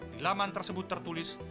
di laman tersebut tertulis